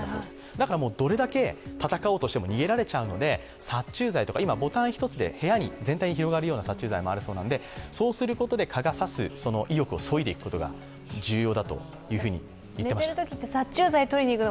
だから、どれだけやっても逃げられちゃうので、殺虫剤とか、今、ボタン１つで部屋に全体に広がるような殺虫剤もあるようなので、そうすることで蚊が刺す意欲をそしでいくことが重要だと。